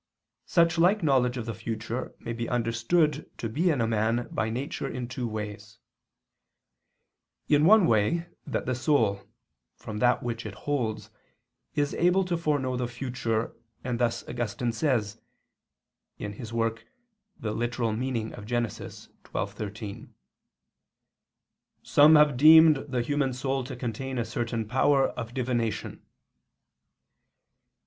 Such like knowledge of the future may be understood to be in a man by nature in two ways. In one way that the soul, from that which it holds, is able to foreknow the future, and thus Augustine says (Gen. ad lit. xii, 13): "Some have deemed the human soul to contain a certain power of divination."